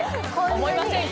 思いませんか？